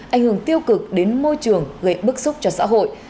ảnh hưởng tiêu cực đến môi trường gây bức xúc cho xã hội